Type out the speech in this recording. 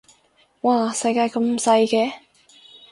嘩世界咁細嘅